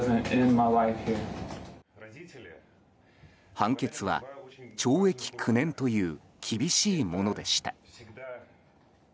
判決は懲役９年という厳しいものでした。